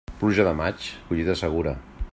Pluja de maig, collita segura.